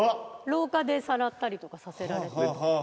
廊下でさらったりとかさせられて。